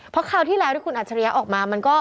เพราะคราวที่แล้วที่คุณอัจฉริยะออกมามันก็